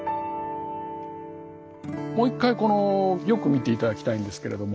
もう一回よく見て頂きたいんですけれども。